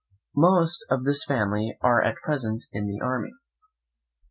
Most of this family are at present in the army.